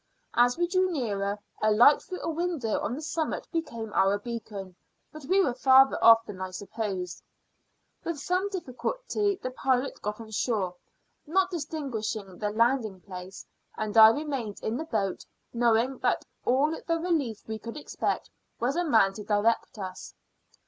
As we drew nearer, a light through a window on the summit became our beacon; but we were farther off than I supposed. With some difficulty the pilot got on shore, not distinguishing the landing place; and I remained in the boat, knowing that all the relief we could expect was a man to direct us.